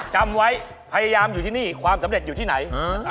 จำไว้พยายามอยู่ที่นี่ความสำเร็จอยู่ที่ไหน